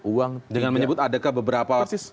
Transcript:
uang jangan menyebut adakah beberapa